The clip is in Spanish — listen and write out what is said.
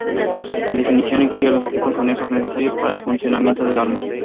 La definición incluye a los equipos anejos necesarios para el funcionamiento del arma.